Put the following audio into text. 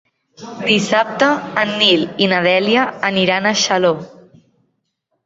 Dissabte en Nil i na Dèlia aniran a Xaló.